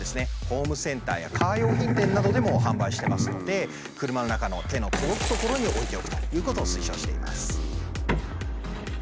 ホームセンターやカー用品店などでも販売してますので車の中の手の届く所に置いておくということを推奨しています。